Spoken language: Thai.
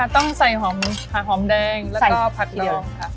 ต้องใส่หอมแดงแล้วก็ผัดลอง